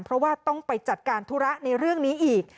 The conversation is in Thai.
เพราะว่าต้องไปจัดการธุระในเรื่องนี้อีก